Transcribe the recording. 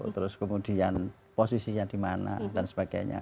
terus kemudian posisinya dimana dan sebagainya